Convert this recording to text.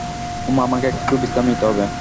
হুম, আমাকে একটু বিশ্রাম নিতে হবে।